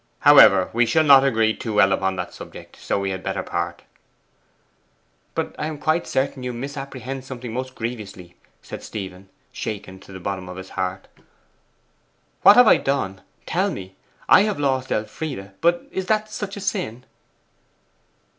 However, we shall not agree too well upon that subject, so we had better part.' 'But I am quite certain you misapprehend something most grievously,' said Stephen, shaken to the bottom of his heart. 'What have I done; tell me? I have lost Elfride, but is that such a sin?